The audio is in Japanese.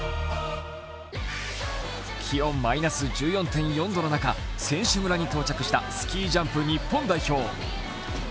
気温マイナス１４．４度の中、選手村に到着したスキージャンプ日本代表。